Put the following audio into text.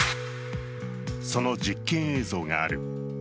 その実験映像がある。